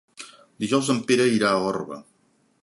Dijous en Pere irà a Orba.